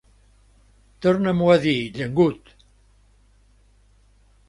Torna-m'ho a dir, llengut!